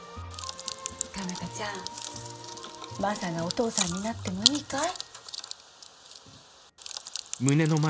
佳奈花ちゃんマサがお父さんになってもいいかい？